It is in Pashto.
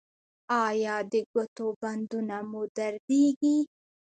ایا د ګوتو بندونه مو دردیږي؟